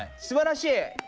すばらしい！